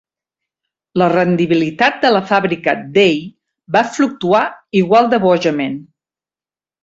La rendibilitat de la fàbrica Day va fluctuar igual de bojament.